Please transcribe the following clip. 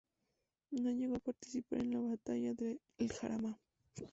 No llegó a participar en la Batalla del Jarama.